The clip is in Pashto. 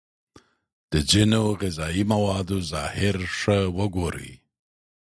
د ځینو غذايي موادو ظاهر ښه وگورئ.